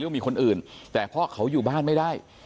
ว่ามีคนอื่นแต่พ่อเขาอยู่บ้านไม่ได้